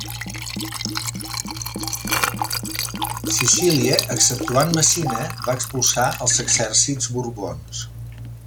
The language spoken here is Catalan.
Sicília exceptuant Messina, va expulsar els exèrcits Borbons.